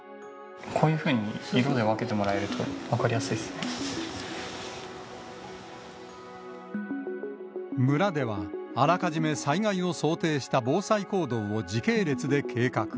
こういうふうに色で分けても村では、あらかじめ災害を想定した防災行動を時系列で計画。